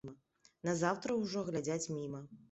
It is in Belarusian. Назаўтра ўжо глядзяць міма.